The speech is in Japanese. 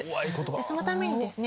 そのためにですね